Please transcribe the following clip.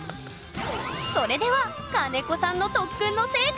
それでは金子さんの特訓の成果